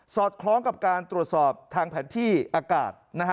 อดคล้องกับการตรวจสอบทางแผนที่อากาศ